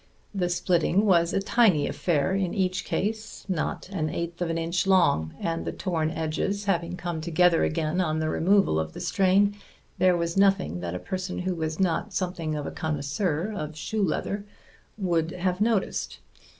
The splitting was a tiny affair in each case, not an eighth of an inch long, and the torn edges having come together again on the removal of the strain, there was nothing that a person who was not something of a connoisseur of shoe leather would have noticed.